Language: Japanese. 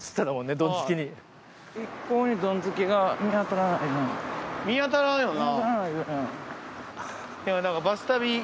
見当たらないよな。